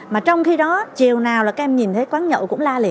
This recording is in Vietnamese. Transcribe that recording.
mà trong khi đó chiều nào là các em nhìn thấy quán nhậu cũng la liệt